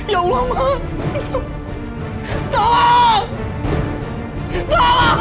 ya allah mak